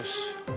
oh pak om